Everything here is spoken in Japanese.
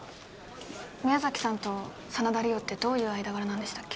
宮崎さんと真田梨央ってどういう間柄なんでしたっけ？